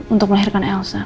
untuk melahirkan elsa